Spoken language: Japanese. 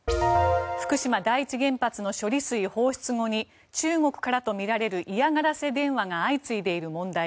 福島第一原発の処理水放出後に中国からとみられる嫌がらせ電話が相次いでいる問題。